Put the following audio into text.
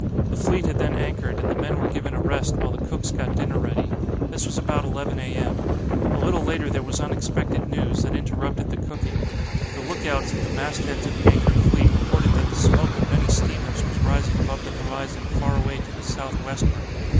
The fleet had then anchored, and the men were given a rest while the cooks got dinner ready. This was about 11 a.m. A little later there was unexpected news, that interrupted the cooking. The look outs at the mastheads of the anchored fleet reported that the smoke of many steamers was rising above the horizon far away to the south westward.